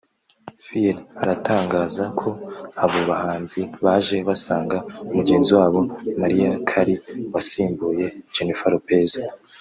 fr aratangaza ko abo bahanzi baje basanga mugenzi wabo Mariah Carey wasimbuye Jennifer Lopez